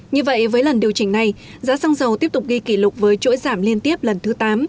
như vậy với lần điều chỉnh này giá xăng dầu tiếp tục ghi kỷ lục với chuỗi giảm liên tiếp lần thứ tám